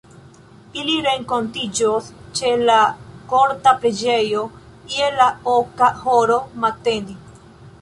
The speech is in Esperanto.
Ili renkontiĝos ĉe la Korta Preĝejo je la oka horo matene.